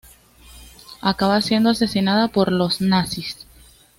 Acaba siendo asesinada por los nazis.